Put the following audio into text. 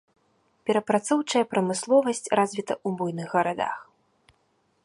Перапрацоўчая прамысловасць развіта ў буйных гарадах.